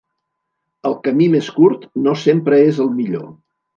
El camí més curt no sempre és el millor.